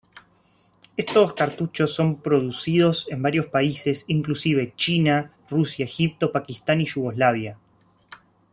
Estos cartuchos son producidos en varios países, inclusive China, Rusia, Egipto, Pakistán y Yugoslavia.